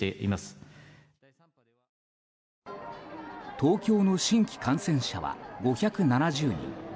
東京の新規感染者は５７０人。